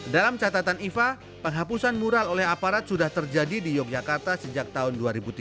dalam catatan iva penghapusan mural oleh aparat sudah terjadi di yogyakarta sejak tahun dua ribu tiga belas